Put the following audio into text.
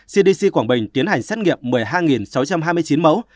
cdc quảng bình tiến hành xét nghiệm một mươi hai sáu trăm hai mươi chín mẫu